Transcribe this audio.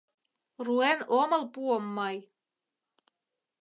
Руэн омыл пуым мый —